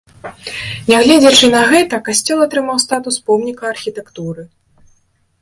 Нягледзячы на гэта, касцёл атрымаў статус помніка архітэктуры.